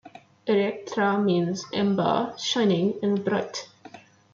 Electra means "amber," "shining," and "bright.